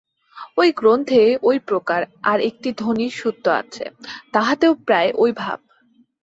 ঐ গ্রন্থে ঐ প্রকার আর একটি ধনীর সূত্ত আছে, তাহাতেও প্রায় ঐ ভাব।